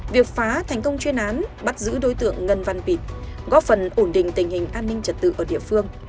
việc phá thành công chuyên án bắt giữ đối tượng ngân văn pịt góp phần ổn định tình hình an ninh trật tự ở địa phương